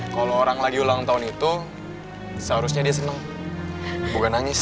kalau orang lagi ulang tahun itu seharusnya dia senang bukan nangis